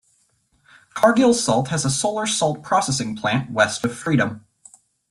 Cargill Salt has a solar salt processing plant west of Freedom.